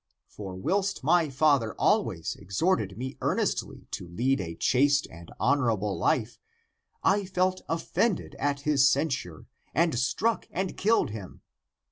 For whilst my father always exhorted me earnestly to lead a chaste and honorable life, I ACTS OF JOHN 1 55 felt offended at his censure, and struck and killed him.